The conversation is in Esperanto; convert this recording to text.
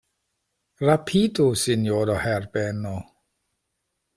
Rapidu, sinjoro Herbeno.